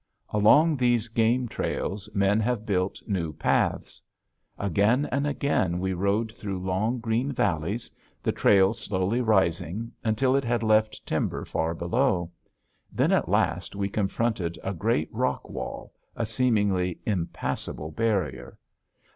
Along these game trails men have built new paths. Again and again we rode through long green valleys, the trail slowly rising until it had left timber far below. Then at last we confronted a great rock wall, a seemingly impassable barrier.